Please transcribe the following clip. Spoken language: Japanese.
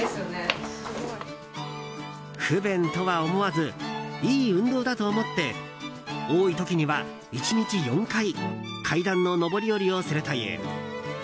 不便とは思わずいい運動だと思って多い時には１日４回階段の上り下りをするという。